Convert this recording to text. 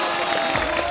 すごい。